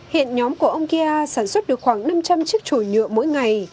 hiện nhóm của ông kia sản xuất được khoảng năm trăm linh chiếc trội nhựa mỗi ngày